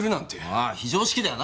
ああ非常識だよなあ！